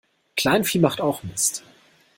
Kleinvieh macht auch Mist.